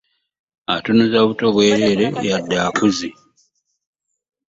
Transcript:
Atunuza buto bwereere wadde akuze.